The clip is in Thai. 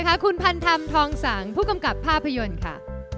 คุณพันธรรมทองสังผู้กำกับภาพยนตร์ค่ะ